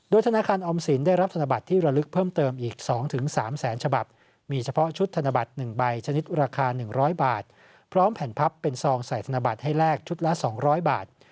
ธนาคารออมสินได้รับธนบัตรที่ระลึกเพิ่มเติมอีก๒๓แสนฉบับมีเฉพาะชุดธนบัตร๑ใบชนิดราคา๑๐๐บาทพร้อมแผ่นพับเป็นซองใส่ธนบัตรให้แลกชุดละ๒๐๐บาท